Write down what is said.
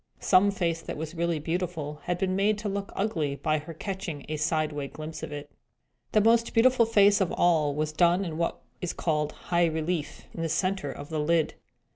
Some face that was really beautiful had been made to look ugly by her catching a sideway glimpse at it. The most beautiful face of all was done in what is called high relief, in the centre of the lid.